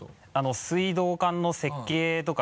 水道管の設計とか。